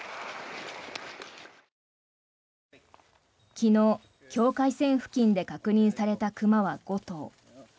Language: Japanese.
昨日、境界線付近で確認された熊は５頭。